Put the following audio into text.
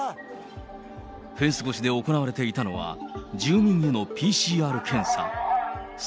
フェンス越しで行われていたのは、住民へのＰＣＲ検査。